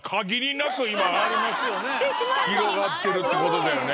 今広がってるってことだよね。